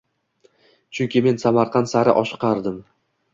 Chunki men Samarqand sari oshiqardim.